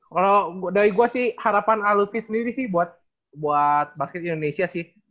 kalau dari gue sih harapan alutsi sendiri sih buat basket indonesia sih